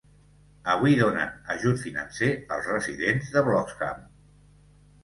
Avui donen ajut financer als residents de Bloxham.